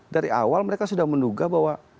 dari awal mereka sudah menduga bahwa